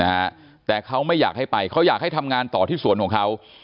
นะฮะแต่เขาไม่อยากให้ไปเขาอยากให้ทำงานต่อที่สวนของเขา